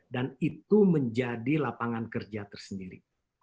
dan itu menjadi lapangan kerja tersendiri